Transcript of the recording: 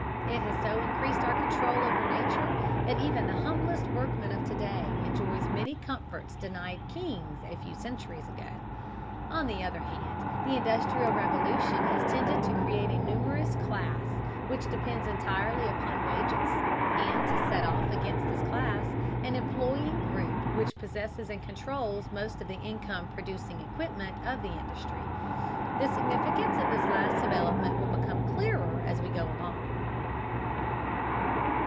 It has so increased our control over Nature that even the humblest workman of to day enjoys many comforts denied kings a few centuries ago. On the other hand, the Industrial Revolution has tended to create a numerous class which depends entirely upon wages, and to set off against this class an employing group which possesses and controls most of the income producing equipment of industry. The significance of this last development will become clearer as we go along.